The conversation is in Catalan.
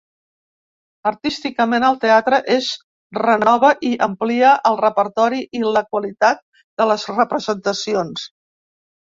Artísticament, el teatre es renova i amplia el repertori i la qualitat de les representacions.